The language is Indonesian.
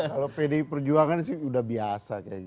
kalau pdi perjuangan sih udah biasa kayak gitu